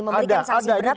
memberikan sanksi berat